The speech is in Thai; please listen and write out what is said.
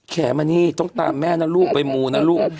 แขมานี่ต้องตามแม่นะลูกไปมูนะลูก